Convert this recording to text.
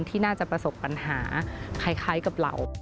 ที่น่าจะประสบปัญหาคล้ายกับเรา